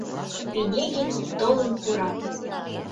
Пинегин толын пура.